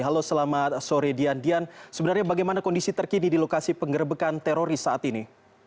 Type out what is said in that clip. halo selamat sore dian dian sebenarnya bagaimana kondisi terkini di lokasi pengerebekan teroris saat ini